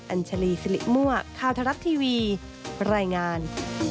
อัญชลีสิริมั่วข่าวทรัฐทีวีรายงาน